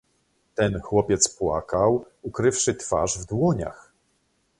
"Ten chłopiec płakał, ukrywszy twarz w dłoniach."